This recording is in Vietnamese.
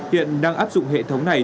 hiện đang áp dụng hệ thống này